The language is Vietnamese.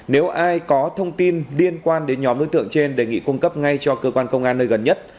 nếu ai có thông tin liên quan đến nhóm đối tượng trên đề nghị cung cấp ngay cho cơ quan công an nơi gần nhất